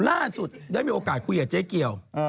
ล่าสุดได้มีโอกาสคุยกับเจ๊เกียว